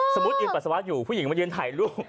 ยืนปัสสาวะอยู่ผู้หญิงมายืนถ่ายรูป